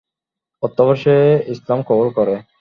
অতঃপর সে ইসলাম কবুল করে।